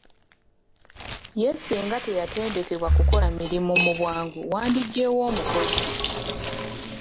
Ye singa teyatendekebwa kukola mirimu mu bwangu wandigye wa omukozi?